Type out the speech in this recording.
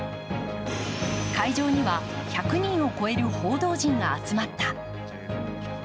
会場には１００人を超える報道陣が集まった。